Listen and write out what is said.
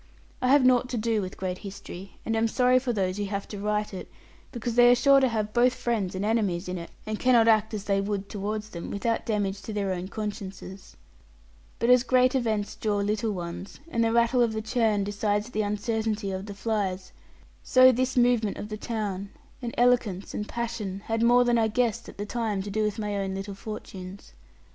I have naught to do with great history and am sorry for those who have to write it; because they are sure to have both friends and enemies in it, and cannot act as they would towards them, without damage to their own consciences. But as great events draw little ones, and the rattle of the churn decides the uncertainty of the flies, so this movement of the town, and eloquence, and passion had more than I guessed at the time, to do with my own little fortunes.